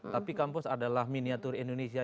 tapi kampus adalah miniatur indonesia